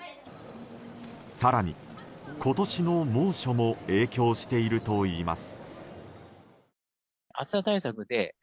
更に、今年の猛暑も影響しているといいます。